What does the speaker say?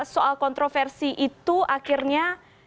soal kontroversi itu akhirnya